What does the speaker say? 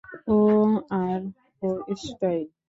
ও আর ওর স্টাইল।